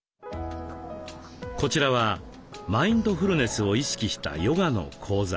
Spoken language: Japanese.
こちらはマインドフルネスを意識したヨガの講座。